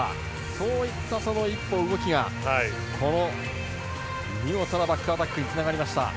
そういった１歩の動きが見事なバックアタックにつながりました。